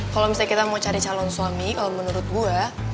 kalau misalnya kita mau cari calon suami kalau menurut gue